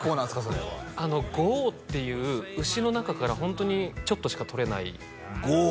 それは牛黄っていう牛の中からホントにちょっとしかとれない牛黄？